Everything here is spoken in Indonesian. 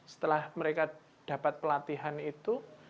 setelah mereka dapat pelatihan itu